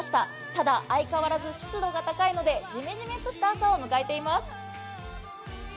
ただ、相変わらず湿度が高いので、ジメジメっとした朝を迎えています。